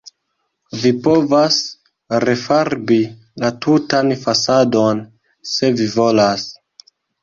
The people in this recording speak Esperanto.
Vi povas refarbi la tutan fasadon, se vi volas.